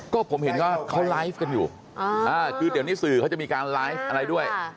ก็ผมเห็นว่าเขาไลฟ์กันอยู่คือเดี๋ยวนี้สื่อเขาจะมีการไลฟ์อะไรด้วย